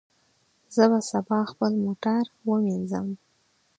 زه به سبا خپل موټر ومینځم.